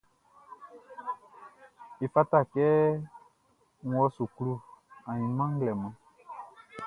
Efata kɛ n wɔ suklu ainman nglɛmun.